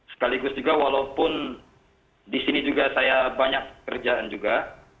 sekaligus juga walaupun di sini juga saya banyak kerjaan juga